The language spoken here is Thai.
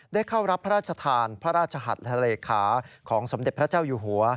เข้ารับพระราชทานพระราชหัสและเลขาของสมเด็จพระเจ้าอยู่หัว